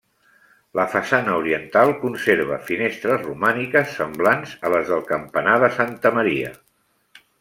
La façana oriental conserva finestres romàniques semblants a les del campanar de Santa Maria.